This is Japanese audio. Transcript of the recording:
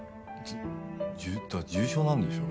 だって重傷なんでしょ？